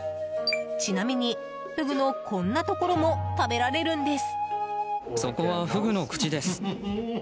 ちなみにフグのこんなところも食べられるんです。